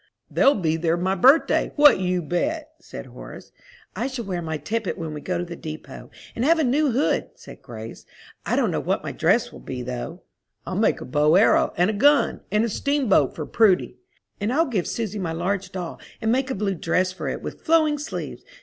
"They'll be there my birthday what'll you bet?" said Horace. "I shall wear my tippet when we go to the depot, and have a new hood," said Grace. "I don't know what my dress will be, though." "I'll make a bow arrow, and a gun, and a steamboat for Prudy." "And I'll give Susy my large doll, and make a blue dress for it, with flowing sleeves.